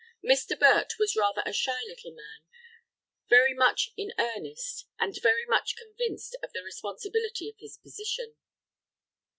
Mr. Burt was rather a shy little man, very much in earnest, and very much convinced of the responsibility of his position.